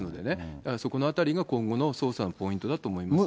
だからそこのあたりが今後の捜査のポイントだと思いますよね。